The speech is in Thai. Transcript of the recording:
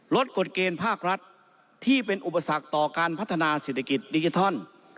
กฎเกณฑ์ภาครัฐที่เป็นอุปสรรคต่อการพัฒนาเศรษฐกิจดิจิทัล